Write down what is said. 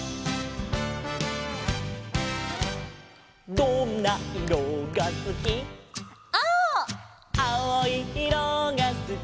「どんないろがすき」「」